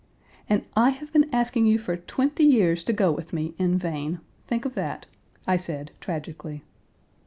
"And I have been asking you for twenty years to go with me, in vain. Think of that!" I said, tragically.